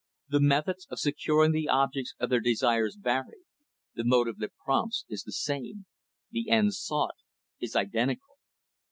The methods of securing the objects of their desires vary the motive that prompts is the same the end sought is identical.